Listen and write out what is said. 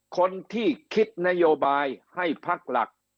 คนที่คิดนโยบายให้พักหลัก